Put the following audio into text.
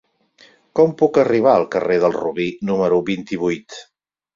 Com puc arribar al carrer del Robí número vint-i-vuit?